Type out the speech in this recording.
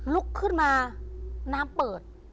ลุกขึ้นมาน้ำเปิด